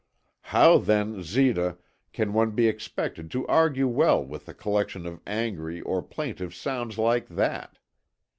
How then, Zita, can one be expected to argue well with a collection of angry or plaintive sounds like that?